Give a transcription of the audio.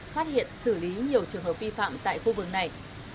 phát hiện xử lý nhiều trường hợp vi phạm tại khu vực này